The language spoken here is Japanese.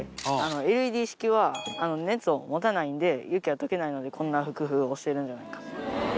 ＬＥＤ式は熱を持たないんで雪は溶けないのでこんな工夫をしてるんじゃないか。